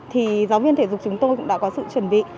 thì giáo viên thể dục chúng tôi cũng đã có sự chuẩn bị